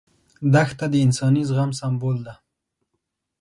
دښته د انساني زغم سمبول ده.